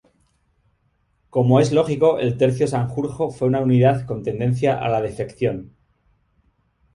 Como es lógico, el Tercio Sanjurjo fue una unidad con tendencia a la defección.